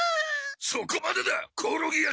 そこまでだコオロギ足！